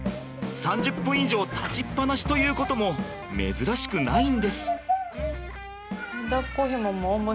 ３０分以上立ちっぱなしということも珍しくないんです。